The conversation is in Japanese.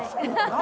何？